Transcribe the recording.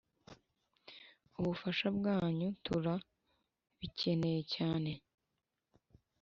ubufasha bwanyu tura bikeneye cyane